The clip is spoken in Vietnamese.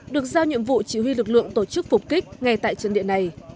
được giao nhiệm vụ chỉ huy lực lượng tổ chức phục kích ngay tại chân địa này